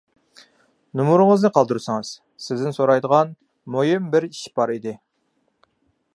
نومۇرىڭىزنى قالدۇرسىڭىز، سىزدىن سورايدىغان مۇھىم بىر ئىش بار ئىدى.